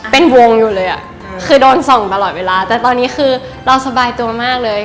เป็นวงอยู่เลยอ่ะคือโดนส่องตลอดเวลาแต่ตอนนี้คือเราสบายตัวมากเลย